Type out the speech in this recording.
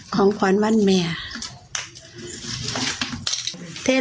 ของขวัญวันแม่